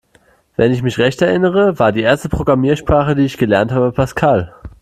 Wenn ich mich recht erinnere, war die erste Programmiersprache, die ich gelernt habe, Pascal.